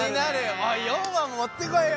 おい４話も持ってこいよ。